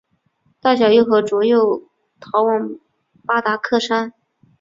大小和卓又逃往巴达克山。